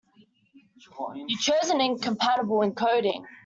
You chose an incompatible encoding.